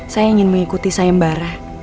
saya ingin mengikuti sayembara